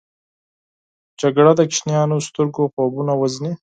جګړه د ماشومو سترګو خوبونه وژني